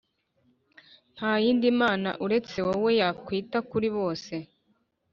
Nta yindi mana uretse wowe, yakwita kuri bose,